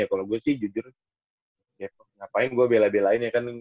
kalau gue sih jujur ya ngapain gue bela belain ya kan